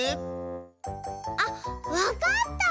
あっわかった！